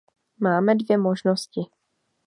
Máme dvě možnosti.